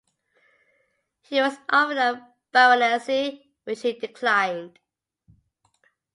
He was offered a baronetcy, which he declined.